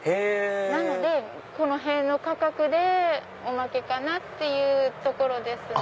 なのでこの辺の価格でおまけかなっていうところですね。